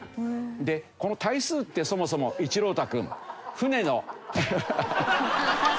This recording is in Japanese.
でこの対数ってそもそも一朗太君船の。